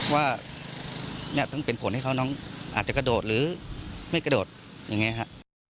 ว่าเนี่ยเป็นผลให้เขาน้องอาจจะกระโดดหรือไม่กระโดดเองเนี้ยค่ะ